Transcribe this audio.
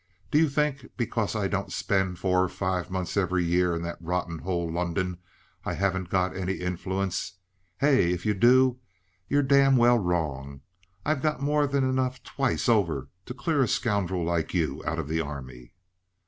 Do you think, because I don't spend four or five months every year in that rotten hole, London, I haven't got any influence? Hey? If you do, you're damn well wrong. I've got more than enough twice over to clear a scoundrel like you out of the Army."